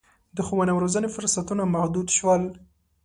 د ښوونې او روزنې فرصتونه محدود شول.